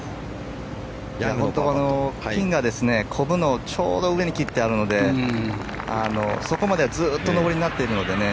ピンがこぶのちょうど上に切ってあるのでそこまではずっと上りになっているのでね。